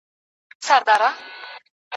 همان به است به مستي کنیم طی حافظ